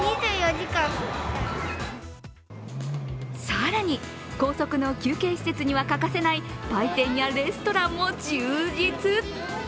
更に高速の休憩施設には欠かせない売店やレストランも充実。